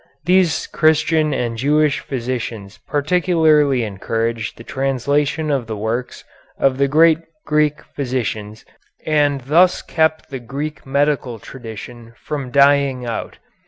These Christian and Jewish physicians particularly encouraged the translation of the works of the great Greek physicians and thus kept the Greek medical tradition from dying out.